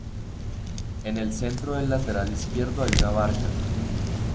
En el centro del lateral izquierdo hay una barca.